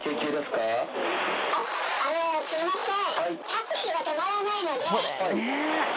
☎あのすいません。